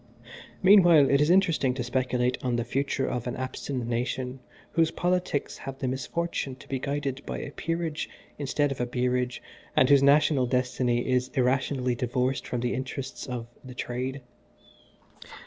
"Meanwhile it is interesting to speculate on the future of an abstinent nation whose politics have the misfortune to be guided by a Peerage instead of a Beerage, and whose national destiny is irrationally divorced from the interests of 'The Trade.'